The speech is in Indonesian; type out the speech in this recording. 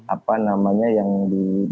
apa namanya yang di